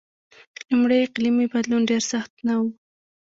لومړی اقلیمی بدلون ډېر سخت نه و.